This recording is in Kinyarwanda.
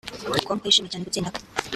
com ko yishimiye cyane gutsinda kwe